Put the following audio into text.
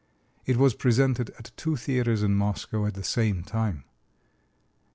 It was presented at two theaters in Moscow at the same time.